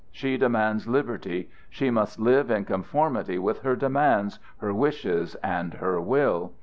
She demands liberty. She must live in conformity with her demands, her wishes, and her will.